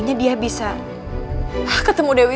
nggak bisa ditunda lagi